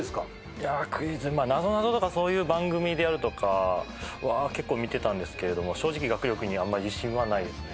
いやクイズまあなぞなぞとかそういう番組であるとかは結構見てたんですけれども正直学力にあんま自信はないですね